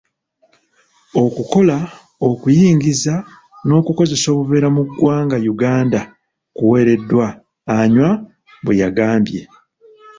“Okukola, okuyingiza, n'okukozesa obuveera mu ggwanga Uganda kuwereddwa,” Anywar bwe yagambye.